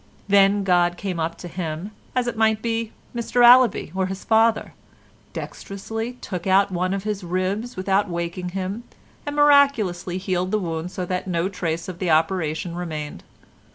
Then God came up to him, as it might be Mr Allaby or his father, dexterously took out one of his ribs without waking him, and miraculously healed the wound so that no trace of the operation remained.